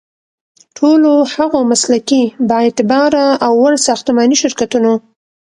ټولو هغو مسلکي، بااعتباره او وړ ساختماني شرکتونو